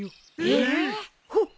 えっ？